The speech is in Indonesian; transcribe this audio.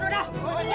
udah hajar aja